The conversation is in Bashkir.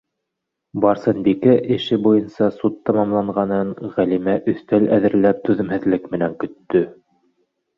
Барсынбикә эше буйынса суд тамамланғанын Ғәлимә өҫтәл әҙерләп түҙемһеҙлек менән көттө.